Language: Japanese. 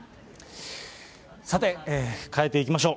さて、変えていきましょう。